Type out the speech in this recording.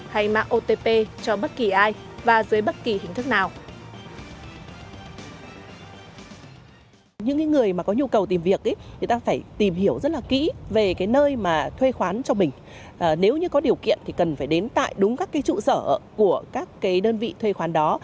hay mạng otp cho bất kỳ ai và dưới bất kỳ hình thức nào